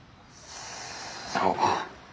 そう。